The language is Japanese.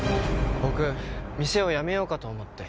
僕店を辞めようかと思って。